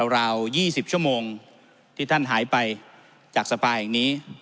ราว๒๐ชั่วโมงที่ท่านหายไปจากสภาแห่งนี้